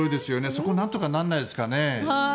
そこなんとかならないですかね。